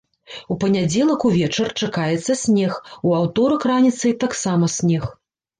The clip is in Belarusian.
У панядзелак увечар чакаецца снег, у аўторак раніцай таксама снег.